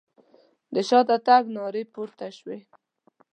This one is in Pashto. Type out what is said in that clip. د شاته تګ نارې پورته شوې.